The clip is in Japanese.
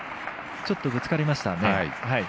ちょっとぶつかりましたね。